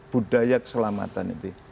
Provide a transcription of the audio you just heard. budaya keselamatan itu